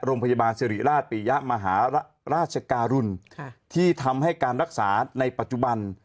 โรงพยาบาลสิริราชปียะมหาราชการุลที่ทำให้การรักษาในปัจจุบัน